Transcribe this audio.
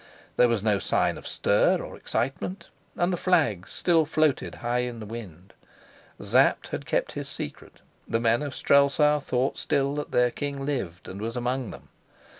There was no sign of stir or excitement, and the flags still floated high in the wind. Sapt had kept his secret; the men of Strelsau thought still that their king lived and was among them.